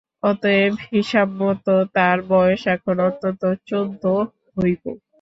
অতএব, হিসাবমত তার বয়স এখন অন্তত চৌদ্দ হইবে।